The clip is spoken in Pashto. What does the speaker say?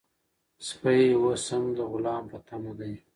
سپی اوس هم د غلام په تمه دی.